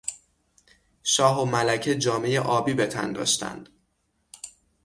شاه و ملکه جامهی آبی به تن داشتند.